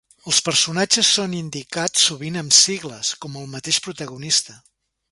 Els personatges són indicats sovint amb sigles, com el mateix protagonista.